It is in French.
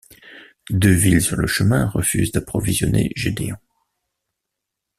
Deux villes sur le chemin refusent d'approvisionner Gédéon.